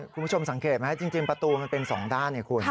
คุณผู้ชมสังเกตไหมจริงประตูมันเป็น๒ด้านไงคุณ